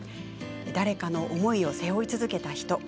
誰かの思いを背負い続けた人。